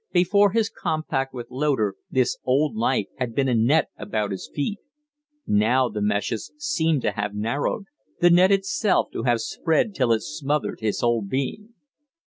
Before his compact with Loder this old life had been a net about his feet; now the meshes seemed to have narrowed, the net itself to have spread till it smothered his whole being.